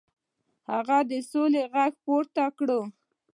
هغه د سولې غږ پورته کړ.